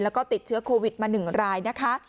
แล้วก็ติดเชื้อโควิดมา๑รายนะคะ